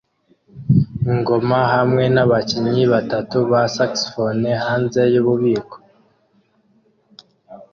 Ingoma hamwe nabakinnyi batatu ba saxofone hanze yububiko